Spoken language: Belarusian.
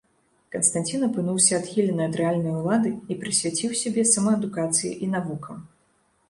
Канстанцін апынуўся адхілены ад рэальнай улады і прысвяціў сябе самаадукацыі і навукам.